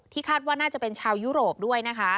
คาดว่าน่าจะเป็นชาวยุโรปด้วยนะคะ